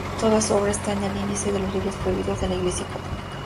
Toda su obra está en el Índice de Libros Prohibidos de la Iglesia católica.